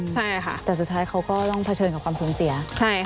ใช่ค่ะแต่สุดท้ายเขาก็ต้องเผชิญกับความสูญเสีย